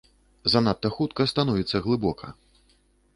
Занадта хутка становіцца глыбока.